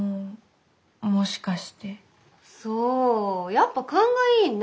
やっぱ勘がいいねえ。